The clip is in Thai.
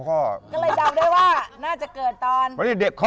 ก็เลยเดาได้ว่าน่าจะเกิดตอน